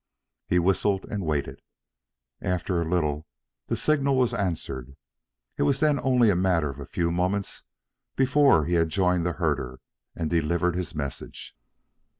He whistled and waited. After a little the signal was answered It was then only a matter of a few moments before he had joined the herder and delivered his message.